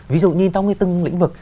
ví dụ như trong cái từng lĩnh vực